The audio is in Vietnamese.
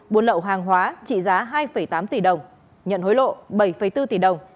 buôn lậu hàng hóa trị giá hai tám tỷ đồng nhận hối lộ bảy bốn tỷ đồng